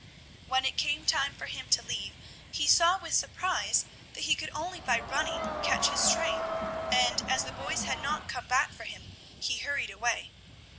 When it came time for him to leave, he saw with surprise that he could only by running catch his train, and, as the boys had not come back for him, he hurried away.